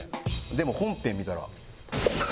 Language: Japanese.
でも本編見たら。